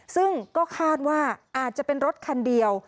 ซึ่งก็คาดว่าอาจจะเป็นรถคันเดียว